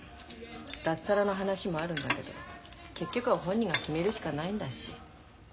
脱サラの話もあるんだけど結局は本人が決めるしかないんだし。